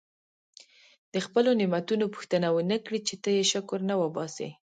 د خپلو نعمتونو پوښتنه ونه کړي چې ته یې شکر نه وباسې.